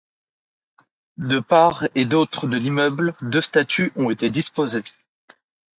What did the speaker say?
De part et d’autre de l’immeuble deux statues ont été disposées.